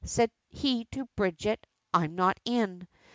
Said he to Bridget "I'm not in.